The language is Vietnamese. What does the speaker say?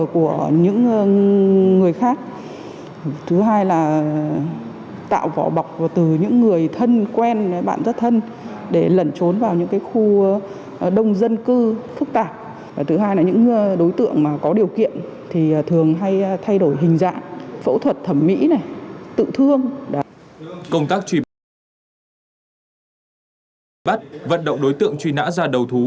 công tác truy bắt vận động đối tượng truy nã ra đầu thú